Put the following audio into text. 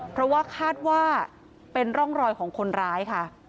เพราะว่าคาดว่าเป็นร่องรอยของคนร้ายค่ะ